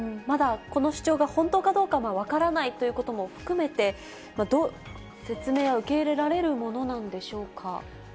まだこの主張が本当かどうか分からないということも含めて、説明は受け入れられるものなんでしょうか。